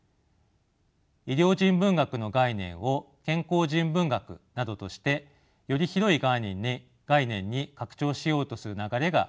医療人文学の概念を健康人文学などとしてより広い概念に拡張しようとする流れが同時にもたらされています。